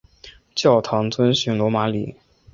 教堂遵循罗马礼。